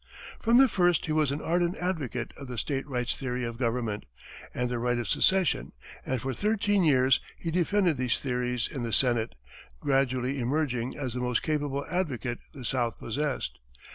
From the first, he was an ardent advocate of the state rights theory of government, and the right of secession, and for thirteen years he defended these theories in the Senate, gradually emerging as the most capable advocate the South possessed.